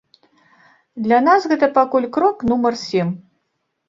Для нас гэта пакуль крок нумар сем.